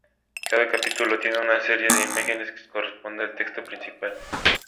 Cada capítulo tiene una serie de imágenes que corresponde al texto principal.